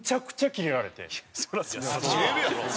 キレるやろ。